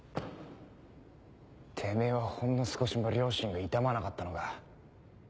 てめぇはほんの少しも良心が痛まなかったのか。